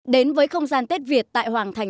đến với không gian tết việt tại hoàng thành